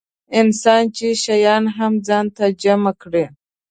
انسان چې شیان هم ځان ته جمع کړي.